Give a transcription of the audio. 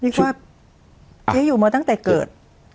คิดว่าเจ๊อยู่มาตั้งแต่เกิด